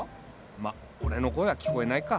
まっ俺の声は聞こえないか。